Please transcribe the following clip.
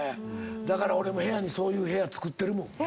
だから俺もそういう部屋作ってるもん。